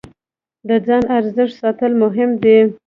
د ځان ارزښت ساتل مهم دی.